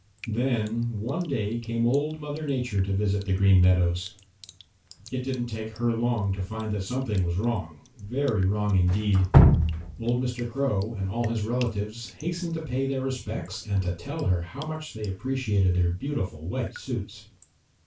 "Then one day came Old Mother Nature to visit the Green Meadows. It didn't take her long to find that something was wrong, very wrong indeed. Old Mr. Crow and all his relatives hastened to pay their respects and to tell her how much they appreciated their beautiful white suits.